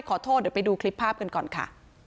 ขอโทษเดี๋ยวไปดูคลิปภาพกันก่อนค่ะ